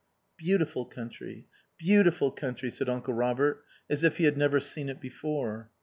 "Beautiful country. Beautiful country," said Uncle Robert as if he had never seen it before.